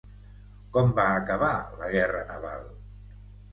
Com va acabar la guerra naval?